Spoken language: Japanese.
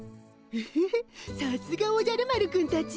エヘヘさすがおじゃる丸くんたち。